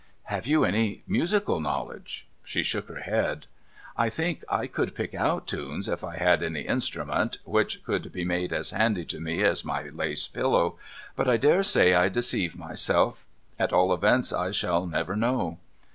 ' Have you any musical knowledge ?' She shook her head. ' I think I could pick out tunes, if I had any instrument, which could be made as handy to me as my lace pillow. But I dare say I deceive myself. At all events, I shall never know.'